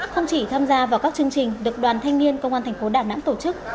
không chỉ tham gia vào các chương trình được đoàn thanh niên công an tp đà nẵng tổ chức